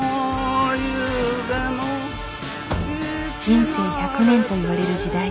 「人生１００年」といわれる時代。